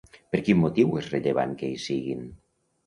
Per quin motiu és rellevant que hi siguin?